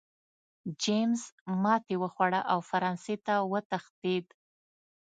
جېمز ماتې وخوړه او فرانسې ته وتښتېد.